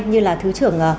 như là thứ trưởng